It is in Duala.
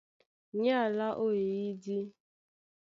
Ní alá ó eyídí.